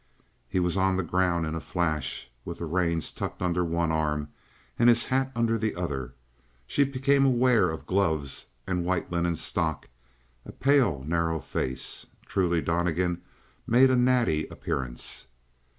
He was on the ground in a flash with the reins tucked under one arm and his hat under the other; she became aware of gloves and white linen stock, and pale, narrow face. Truly Donnegan made a natty appearance.